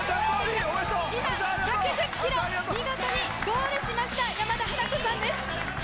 １１０キロ、見事ゴールしました、山田花子さんです。